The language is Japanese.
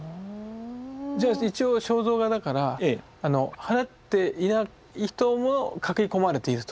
じゃあ一応肖像画だから払っていない人も描き込まれていると？